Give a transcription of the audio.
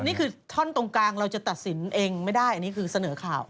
นี่คือท่อนตรงกลางเราจะตัดสินเองไม่ได้อันนี้คือเสนอข่าว